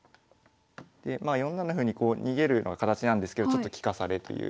まあ４七歩に逃げるような形なんですけどちょっと利かされという。